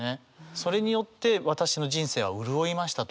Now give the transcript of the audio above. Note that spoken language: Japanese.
それによって私の人生は潤いましたと。